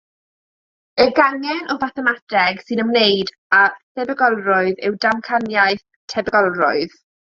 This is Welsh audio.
Y gangen o fathemateg sy'n ymwneud â thebygolrwydd yw damcaniaeth tebygolrwydd.